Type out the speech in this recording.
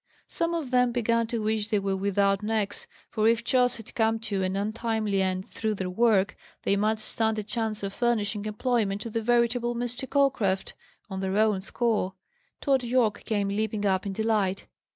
Some of them began to wish they were without necks; for if Charles had come to an untimely end through their work, they might stand a chance of furnishing employment to the veritable Mr. Calcraft, on their own score. Tod Yorke came leaping up in delight.